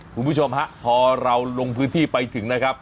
คุณผู้ชมฮะพอเราลงพื้นที่ไปถึงนะครับ